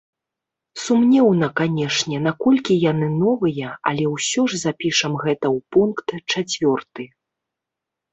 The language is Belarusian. Сумнеўна, канешне, наколькі яны новыя, але ўсё ж запішам гэта ў пункт чацвёрты.